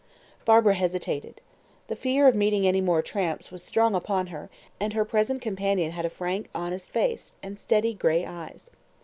Barbara hesitated. The fear of meeting any more tramps was strong upon her, and her present companion had a frank, honest face, and steady gray eyes.